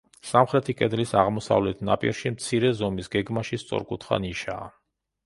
სამხრეთი კედლის აღმოსავლეთ ნაპირში მცირე ზომის, გეგმაში სწორკუთხა, ნიშაა.